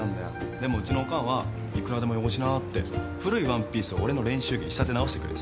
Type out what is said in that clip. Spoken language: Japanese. でもうちのおかんは「いくらでも汚しな」って古いワンピースを俺の練習着に仕立て直してくれてさ。